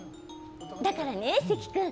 だからね、関君！